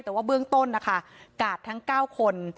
แต่ว่าเบื้องต้นนะคะกาดทั้ง๙คน